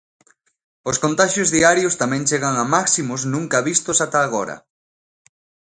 Os contaxios diarios tamén chegan a máximos nunca vistos ata agora.